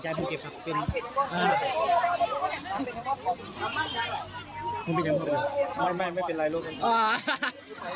คุณผู้ชมพูดอะไรมอนแมนไม่เป็นไรลูกคุณค่ะ